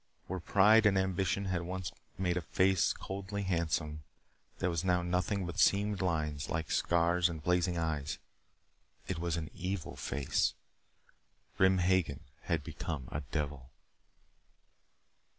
Where pride and ambition had once made a face coldly handsome, there was now nothing but seamed lines like scars and blazing eyes. It was an evil face. Grim Hagen had become a devil.